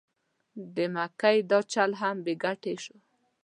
د مکۍ دا چل هم بې ګټې شو.